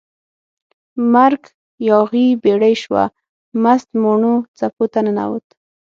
مرک یاغي بیړۍ شوه، مست ماڼو څپو ته ننووت